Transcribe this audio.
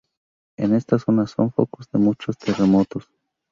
En esta zona, son focos de muchos terremotos.